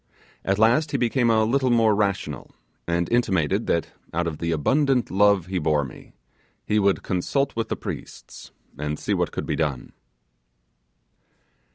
At last he became a little more rational, and intimated that, out of the abundant love he bore me, he would consult with the priests and see what could be done.